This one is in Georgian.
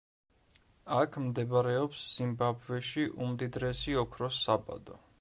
აქ მდებარეობს ზიმბაბვეში უმდიდრესი ოქროს საბადო.